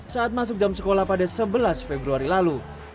saat masuk jam sekolah pada sebelas februari lalu